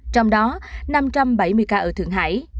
trong đó năm trăm bảy mươi ca ở thượng hải